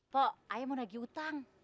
kok ayah mau nagih utang